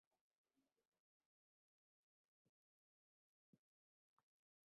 गलत साबित होंगे एग्जिट पोल, बीजेपी की बनेगी सरकारः सतीश उपाध्याय